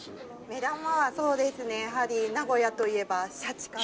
目玉はそうですねやはり名古屋といえばシャチかなと。